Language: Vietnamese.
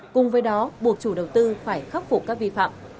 cùng với đó buộc chủ đầu tư phải khắc phục các tổ chức